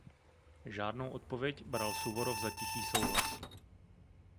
Žádnou odpověď bral Suvorov za tichý souhlas.